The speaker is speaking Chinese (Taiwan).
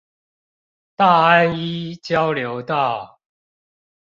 大安一交流道